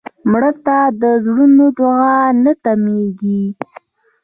مړه ته د زړونو دعا نه تمېږي